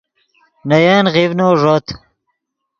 نے ین غیڤنو ݱوت